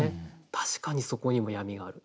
確かにそこにも闇がある。